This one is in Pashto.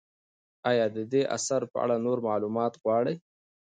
ایا ته د دې اثر په اړه نور معلومات غواړې؟